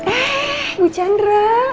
eh ibu chandra